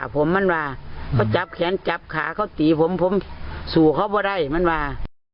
ป้าจับแขนก็จับขาเขาตีผมสู่เขามาเลยมันมา